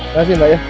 kasih mbak ya